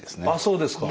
そうですか。